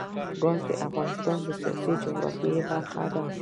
ګاز د افغانستان د سیاسي جغرافیه برخه ده.